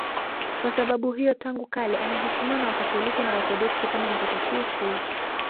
Kwa sababu hiyo tangu kale anaheshimiwa na Wakatoliki na Waorthodoksi kama mtakatifu.